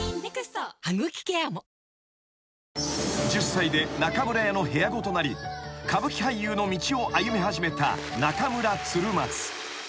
［１０歳で中村屋の部屋子となり歌舞伎俳優の道を歩み始めた中村鶴松］